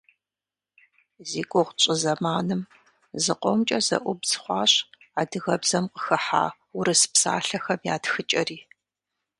Зи гугъу тщӏы зэманым зыкъомкӏэ зэӏубз хъуащ адыгэбзэм къыхыхьа урыс псалъэхэм я тхыкӏэри.